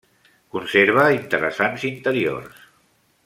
Conserva interessants interiors.